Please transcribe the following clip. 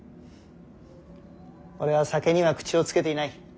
俺は酒には口をつけていない。